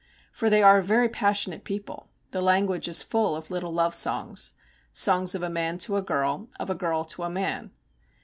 For they are a very passionate people; the language is full of little love songs, songs of a man to a girl, of a girl to a man.